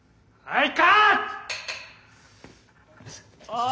はい。